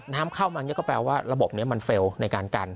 น้ำเข้ามาก็แปลว่าระบบนี้มันเฟลในการกัน